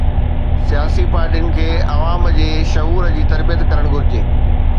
سياسي پارٽين کي عوام جي شعور جي تربيت ڪرڻ گهرجي.